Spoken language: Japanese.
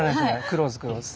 クローズクローズ。